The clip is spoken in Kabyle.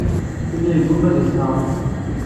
Yella yegguma ad yesteɛref.